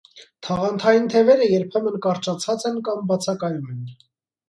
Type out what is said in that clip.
Թաղանթային թևերը երբեմն կարճացած են կամ բացակայում են։